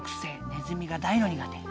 ネズミが大の苦手。